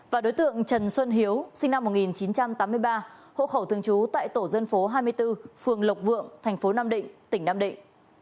và đối tượng trần xuân hiếu sinh năm một nghìn chín trăm tám mươi ba hộ khẩu thường trú tại tổ dân phố hai mươi bốn phường lộc vượng thành phố nam định tỉnh nam định